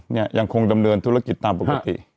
ยังคงดำเนินธุรกิจตามปกติ